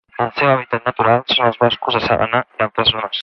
El seu hàbitat natural són els boscos de sabana i altres zones.